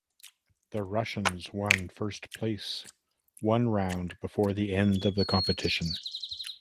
The Russians won first place one round before the end of the competition.